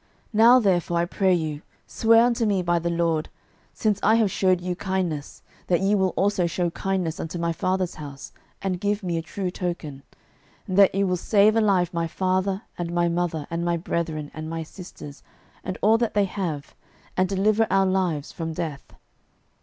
06:002:012 Now therefore, I pray you, swear unto me by the LORD, since I have shewed you kindness, that ye will also shew kindness unto my father's house, and give me a true token: 06:002:013 And that ye will save alive my father, and my mother, and my brethren, and my sisters, and all that they have, and deliver our lives from death.